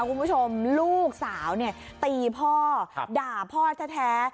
คุณผู้ชมลูกสาวเนี่ยตีพ่อด่าพ่อแท้